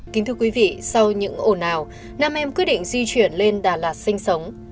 kính thưa quý vị sau những ổn ào nam em quyết định di chuyển lên đà lạt sinh sống